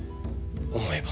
思えば